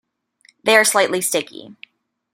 They are slightly sticky.